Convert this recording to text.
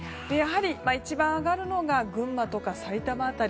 一番上がるのが群馬とか埼玉辺り。